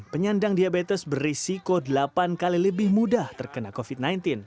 penyandang diabetes berisiko delapan kali lebih mudah terkena covid sembilan belas